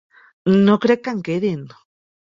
No crec que en quedin.